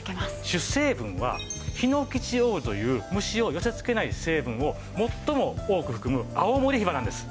主成分はヒノキチオールという虫を寄せ付けない成分を最も多く含む青森ヒバなんです。